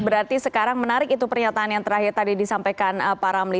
berarti sekarang menarik itu pernyataan yang terakhir tadi disampaikan pak ramli